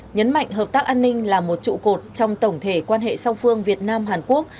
nhấn mạnh hợp tác an ninh là một trụ cột trong tổng thể quan hệ song phương việt nam hàn quốc